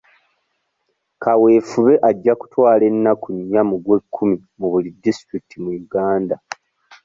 Kaweefube ajja kutwala ennaku nnya mu gw'ekkumi mu buli disitulikiti mu Uganda.